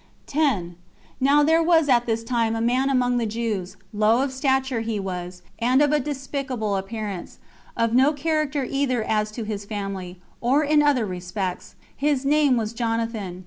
10. Now there was at this time a man among the Jews, low of stature he was, and of a despicable appearance; of no character either as to his family, or in other respects: his name was Jonathan.